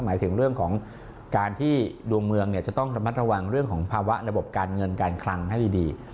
หมายถึงเรื่องของการที่ดวงเมืองจะต้องระมัดระวังเรื่องของภาวะระบบการเงินการคลังให้ดี